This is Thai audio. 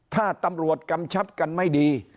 ถ้าตำรวจกำชับกันไม่ดี